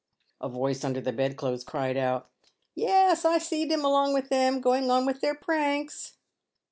A voice under the bed clothes cried out, " Yes, I seed him along with them, going on with their pranks."